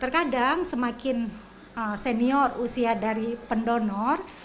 terkadang semakin senior usia dari pendonor